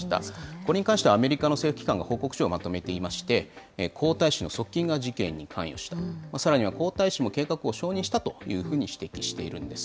これに関してはアメリカの政府機関が報告書をまとめていまして、皇太子の側近が事件に関与した、さらには皇太子も計画を承認したというふうに指摘しているんです。